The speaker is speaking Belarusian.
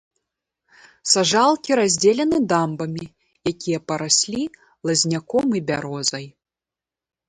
Сажалкі раздзелены дамбамі, якія параслі лазняком і бярозай.